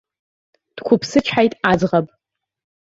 Дқәыԥсычҳаит аӡӷаб.